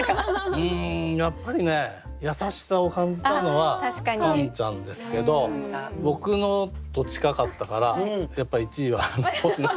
うんやっぱりね優しさを感じたのはカンちゃんですけど僕のと近かったからやっぱ１位は星野さん。